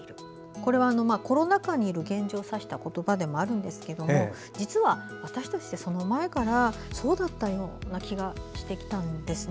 これはコロナ禍にある現状を指した言葉でもあるんですけど実は、私たちはその前からそうだったような気がしてきたんです。